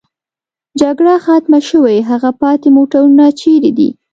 جګړه ختمه شوې، هغه پاتې موټرونه چېرې دي؟